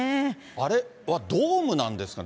あれはドームなんですかね？